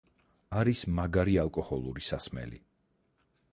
არის მაგარი ალკოჰოლური სასმელი.